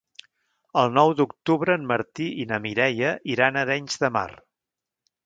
El nou d'octubre en Martí i na Mireia iran a Arenys de Mar.